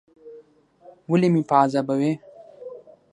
ولي مې په عذابوې ؟